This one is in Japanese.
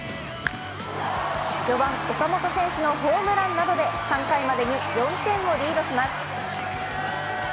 ４番・岡本選手のホームランなどで３回までに４点をリードします。